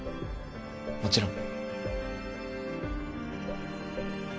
もちろん。